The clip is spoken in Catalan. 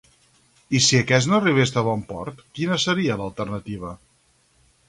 I si aquest no arribés a bon port, quina seria l'alternativa?